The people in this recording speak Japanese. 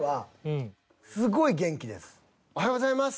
「おはようございます！」